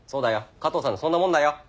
加藤さんそんなもんだよ。